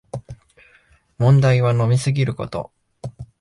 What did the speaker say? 問題は飲みすぎること